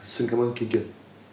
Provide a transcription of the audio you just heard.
xin cảm ơn kênh truyền